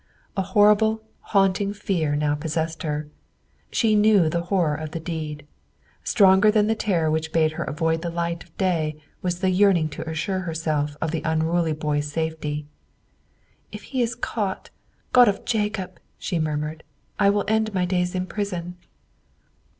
A horrible, haunting fear now possessed her. She knew the horror of the deed. Stronger than the terror which bade her avoid the light of day was the yearning to assure herself of the unruly boy's safety. "If he is caught, God of Jacob!" she murmured, "I will end my days in prison."